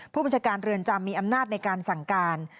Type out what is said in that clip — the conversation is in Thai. ผู้บัญชาการเรือนจำมีอำนาจในการสั่งการ